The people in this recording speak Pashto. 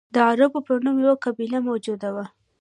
د عربو په نوم یوه قبیله موجوده وه.